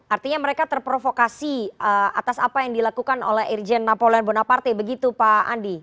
artinya mereka terprovokasi atas apa yang dilakukan oleh irjen napoleon bonaparte begitu pak andi